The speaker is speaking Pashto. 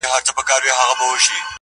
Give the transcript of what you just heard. له وطنه څخه لیري مساپر مه وژنې خدایه-